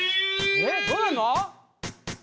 えっどういうの？